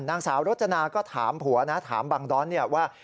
นางสาวรจนาก็ถามผัวนะถามบางด้อนเนี่ยว่า